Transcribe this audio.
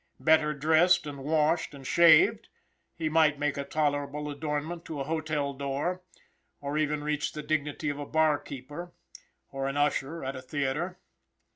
Better dressed, and washed, and shaved, he might make a tolerable adornment to a hotel door, or even reach the dignity of a bar keeper or an usher at a theatre.